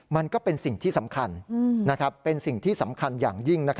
มันก็เป็นสิ่งที่สำคัญเป็นสิ่งที่สำคัญอย่างยิ่ง